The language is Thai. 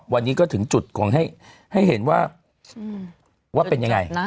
วันนี้ก็ถึงจุดของให้เห็นว่าว่าเป็นยังไง